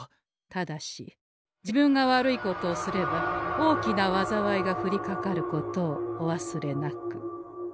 ただし自分が悪いことをすれば大きなわざわいが降りかかることをお忘れなく。